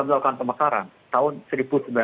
pertama itu pemekaran bukan pendekatan yang baru